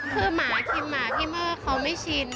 คือหมาชิมหมาพี่เมอร์เขาไม่ชิน